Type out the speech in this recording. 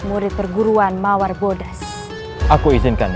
murid perguruan mawar bodas aku izinkan